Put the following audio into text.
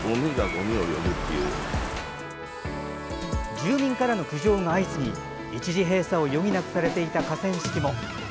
住民からの苦情が相次ぎ一時閉鎖を余儀なくされていた河川敷も。